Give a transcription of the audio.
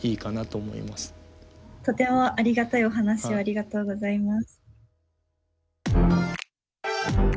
とてもありがたいお話をありがとうございます。